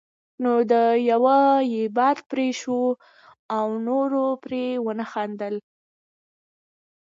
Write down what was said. نو د يوه یې باد پرې شو او نورو پرې ونه خندل.